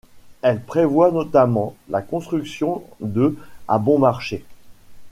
Elle prévoit notamment la construction de à bon marché.